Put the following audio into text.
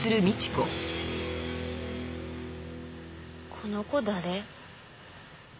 この子誰？